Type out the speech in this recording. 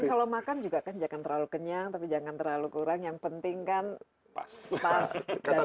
dan kalau makan juga kan jangan terlalu kenyang tapi jangan terlalu kurang yang penting kan pas dan sehat